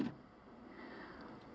kalau mau semuanya nyaman nyaman